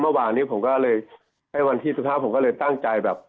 เมื่อวานี้วันที่สุดท้ายผมก็เลยตั้งใจ